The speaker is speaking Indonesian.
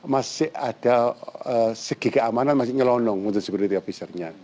masih ada segi keamanan masih nyelonong untuk security officernya